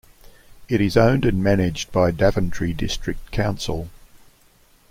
It is owned and managed by Daventry District Council.